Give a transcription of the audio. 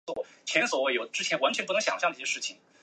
交易广场是英格兰曼彻斯特的一个广场。